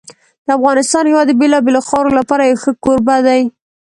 د افغانستان هېواد د بېلابېلو خاورو لپاره یو ښه کوربه دی.